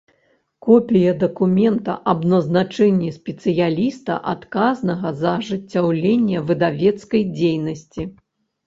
Копiя дакумента аб назначэннi спецыялiста, адказнага за ажыццяўленне выдавецкай дзейнасцi.